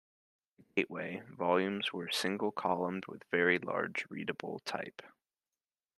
The "Gateway" volumes were single-column with large, readable type.